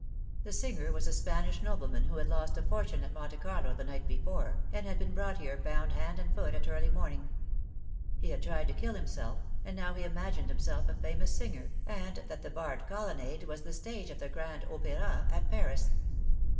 The singer was a Spanish nobleman who had lost a fortune 244 TJie Fatal Three. at Monte Carlo the night before, and had been brought hete bound hand and foot at early morning. He had tried to kill himself, and now he imagined himself a famous singer, and that the barred colonnade was the stage of the Grand Opera at Paris.